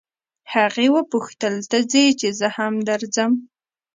هغې وپوښتل ته ځې چې زه هم درځم.